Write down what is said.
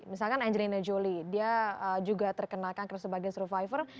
misalkan angelina jolie dia juga terkenal kanker sebagai survivor